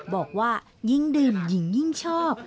บอกว่ายิ่งดื่มหญิงยิ่งชอบ